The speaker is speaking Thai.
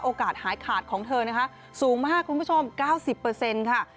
โอกาสหายขาดของเธอนะฮะสูงมากคุณผู้ชม๙๐เปอร์เซ็นต์ค่ะ